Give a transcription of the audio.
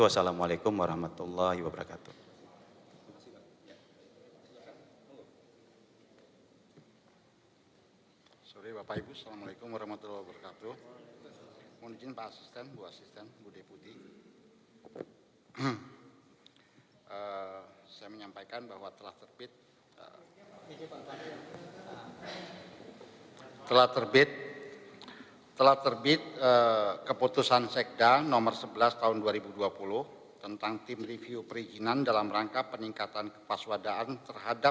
wassalamu'alaikum warahmatullahi wabarakatuh